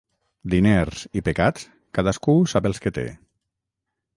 Diners i pecats, cadascú sap els que té.